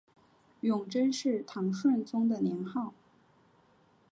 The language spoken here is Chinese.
永贞是唐顺宗的年号。